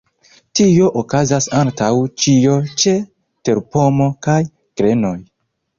Tio okazas antaŭ ĉio ĉe terpomo kaj grenoj.